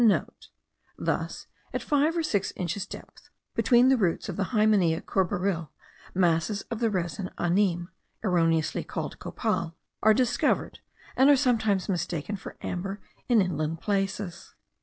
(* Thus, at five or six inches depth, between the roots of the Hymenea courbaril, masses of the resin anime (erroneously called copal) are discovered, and are sometimes mistaken for amber in inland places.